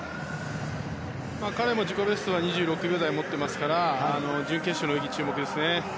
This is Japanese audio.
彼も自己ベストが２６秒台を持ってますから準決勝の泳ぎに注目ですね。